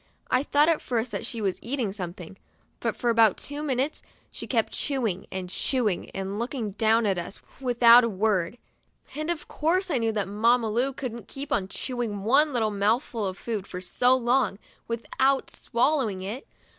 I thought at first that she was eating something, but for about two minutes she kept on chewing and chewing and looking down at us without a word, and of course I knew that Mamma Lu 55 THE DIARY OF A BIRTHDAY DOLL couldn't keep on chewing one little mouthful of food for so long, without swallowing it.